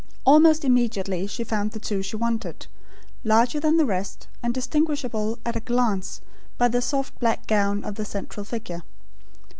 Almost immediately she found the two she wanted; larger than the rest, and distinguishable at a glance by the soft black gown of the central figure.